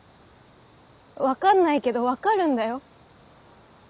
分かんないけど分かるんだよ。